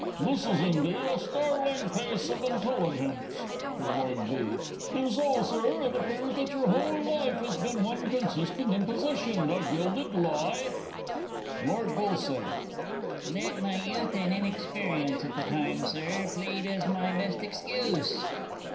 _ This is indeed a startling piece of intelligence. (To Lord B.) And so, Sir, it appears that your whole life has been one consistent imposition a gilded lie? Lord B. Let my youth and inexperience at the time, Sir, plead as my best excuse!